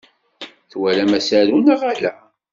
Twalam asaru neɣ ala?